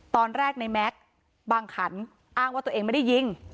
ตอนแรกในแม็กซ์บางขันอ้างว่าตัวเองไม่ได้ยิง